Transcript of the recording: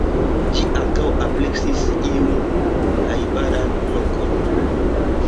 Ĝi ankaŭ ampleksis iujn najbarajn lokojn.